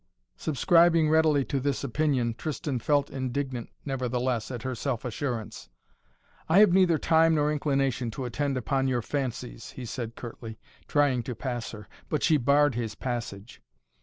Subscribing readily to this opinion, Tristan felt indignant, nevertheless, at her self assurance. "I have neither time nor inclination to attend upon your fancies," he said curtly, trying to pass her. But she barred his passage.